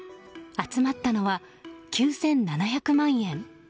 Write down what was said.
集まったのは９７００万円。